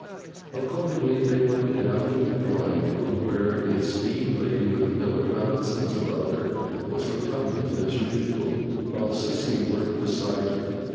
Accordingly, they went down to the drawing room, where the esteemed lady with no nonsense about her, was recumbent as usual, while Sissy worked beside her.